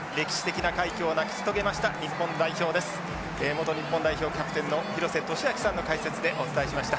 元日本代表キャプテンの廣瀬俊朗さんの解説でお伝えしました。